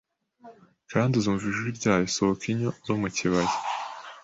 kandi uzumva ijwi ryayo Sohoka inyo zo mu kibaya